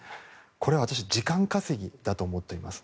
これは時間稼ぎだと思います。